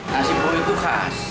nasi buk itu khas